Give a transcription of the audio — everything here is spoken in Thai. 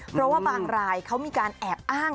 เพราะว่าบางรายเขามีการแอบอ้าง